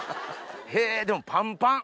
へぇでもパンパン！